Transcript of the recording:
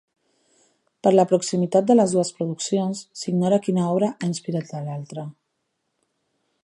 Per la proximitat de les dues produccions, s'ignora quina obra ha inspirat l'altre.